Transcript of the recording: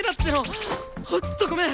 ほんっとごめん！